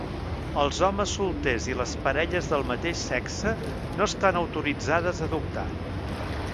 Els homes solters i les parelles del mateix sexe no estan autoritzades a adoptar.